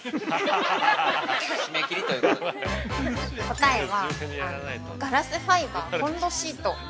◆答えは、ガラスファイバーコンロシート。